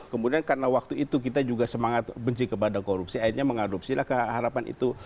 kemudian karena waktu itu kita juga semangat benci kepada korupsi akhirnya mengadopsilah keharapan itu